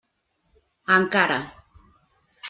Encara.